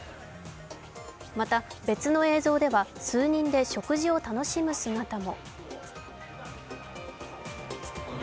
また別の映像では数人で食事を楽しむ姿も。